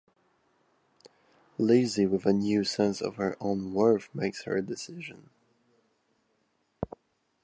Lizzie, with a new sense of her own worth, makes her decision.